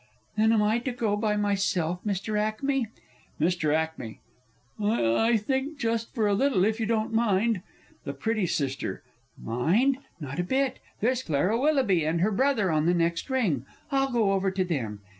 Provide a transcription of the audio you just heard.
Then, am I to go by myself, Mr. Ackmey? MR. A. I I think just for a little, if you don't mind! THE PRETTY S. Mind? Not a bit! There's Clara Willoughby and her brother on the next ring, I'll go over to them.